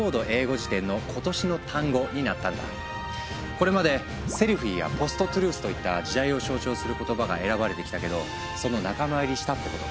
これまで「ｓｅｌｆｉｅ」や「ｐｏｓｔ−ｔｒｕｔｈ」といった時代を象徴する言葉が選ばれてきたけどその仲間入りしたってこと。